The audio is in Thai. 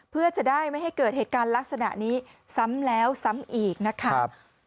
เพื่อจะได้ไม่ให้เกิดเหตุการณ์ลักษณะนี้ซ้ำแล้วซ้ำอีกนะครับ